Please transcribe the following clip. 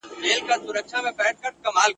نه ګېډۍ غواړو د ګلو نه محتاجه له باغوانه ..